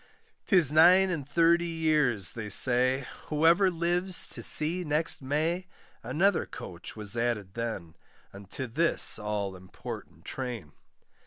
'Tis nine and thirty years, they say, Whoever lives to see next May, Another coach was added then, Unto this all important train.